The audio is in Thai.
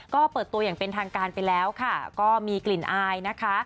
ก็เปิดตัวอย่างเป็นทางการไปแล้วค่ะก็มีกลิ่นอายนะคะ